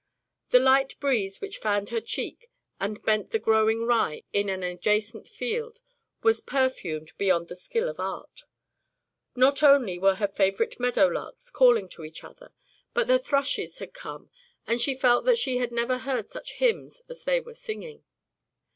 The light breeze which fanned her cheek and bent the growing rye in an adjacent field was perfumed beyond the skill of art. Not only were her favorite meadow larks calling to each other, but the thrushes had come and she felt that she had never heard such hymns as they were singing.